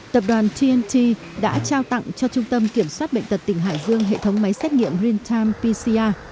tập đoàn tnt đã trao tặng cho trung tâm kiểm soát bệnh tật tỉnh hải dương hệ thống máy xét nghiệm real time pcr